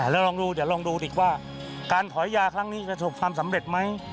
แล้วลองดูเดี๋ยวลองดูดิว่าการถอยยาครั้งนี้ประสบความสำเร็จไหม